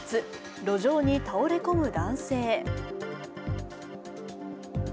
路上に倒れ込む男性。